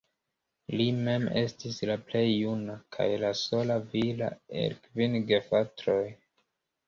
Li mem estis la plej juna, kaj la sola vira, el kvin gefratoj.